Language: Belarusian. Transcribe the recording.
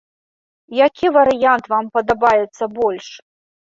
Які варыянт вам падабаецца больш?